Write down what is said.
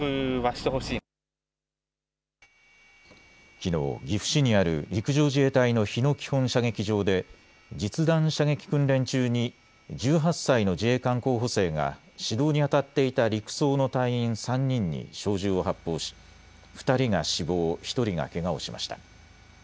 きのう岐阜市にある陸上自衛隊の日野基本射撃場で実弾射撃訓練中に１８歳の自衛官候補生が指導にあたっていた陸曹の隊員３人に小銃を発砲し２人が死亡、１人がけがをしました。